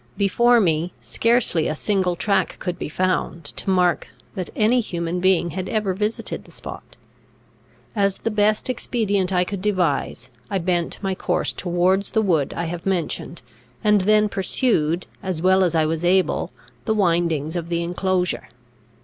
Before me, scarcely a single track could be found, to mark that any human being had ever visited the spot. As the best expedient I could devise, I bent my course towards the wood I have mentioned, and then pursued, as well as I was able, the windings of the inclosure.